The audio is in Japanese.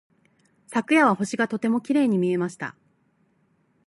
昨夜は星がとてもきれいに見えました。